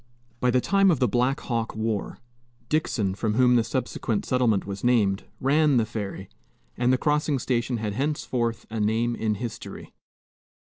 By the time of the Black Hawk war, Dixon, from whom the subsequent settlement was named, ran the ferry, and the crossing station had henceforth a name in history.